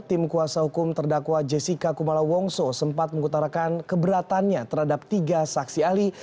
tim kuasa hukum terdakwa jessica kumala wongso sempat mengutarakan keberatannya terhadap tiga saksi ahli